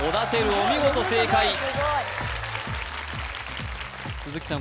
お見事正解鈴木さん